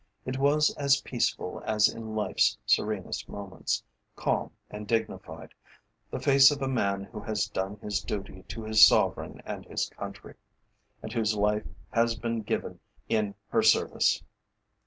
It was as peaceful as in life's serenest moments, calm and dignified the face of a man who has done his duty to his Sovereign and his country, and whose life has been given in her service.